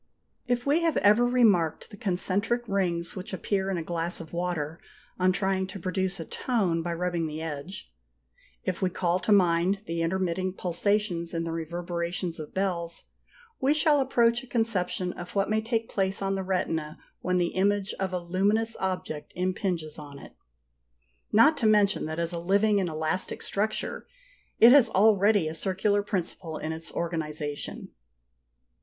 If we have ever remarked the concentric rings which appear in a glass of water on trying to produce a tone by rubbing the edge; if we call to mind the intermitting pulsations in the reverberations of bells, we shall approach a conception of what may take place on the retina when the image of a luminous object impinges on it, not to mention that as a living and elastic structure, it has already a circular principle in its organisation.